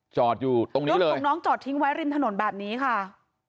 จอดอยู่ตรงนี้เลยของน้องจอดทิ้งไว้ริมถนนแบบนี้ค่ะ